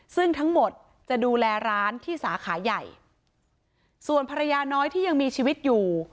ซึ่งทั้งหมดจะดูแลร้านที่สาขาใหญ่ส่วนภรรยาน้อยที่ยังมีชีวิตอยู่